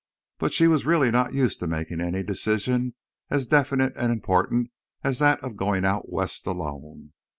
But she was really not used to making any decision as definite and important as that of going out West alone.